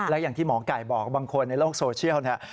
และอย่างที่หมอไก่บอกบางคนในโลกโซเชียลเนี่ย